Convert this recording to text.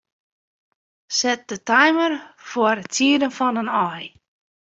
Set de timer foar it sieden fan in aai.